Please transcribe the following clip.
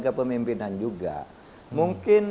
kepemimpinan juga mungkin